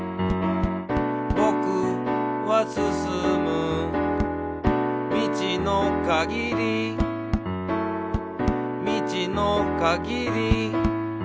「ぼくはすすむ」「みちのかぎり」「みちのかぎり」